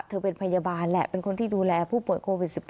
เป็นพยาบาลแหละเป็นคนที่ดูแลผู้ป่วยโควิด๑๙